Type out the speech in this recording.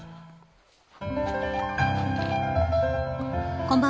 こんばんは。